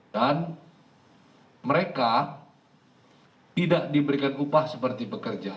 dan mereka tidak diberikan upah seperti pekerja